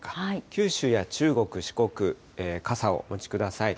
九州や中国、四国、傘をお持ちください。